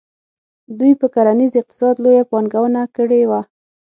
دوی پر کرنیز اقتصاد لویه پانګونه کړې وه.